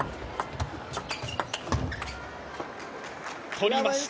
取りました！